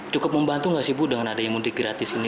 cukup membantu gak sih ibu dengan ada yang mudik gratis ini